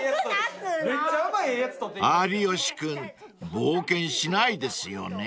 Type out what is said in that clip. ［有吉君冒険しないですよね］